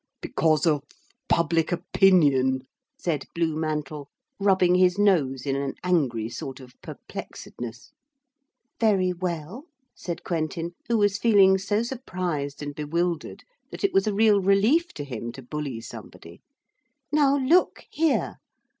'Because of public opinion,' said Blue Mantle, rubbing his nose in an angry sort of perplexedness. 'Very well,' said Quentin, who was feeling so surprised and bewildered that it was a real relief to him to bully somebody. 'Now look here.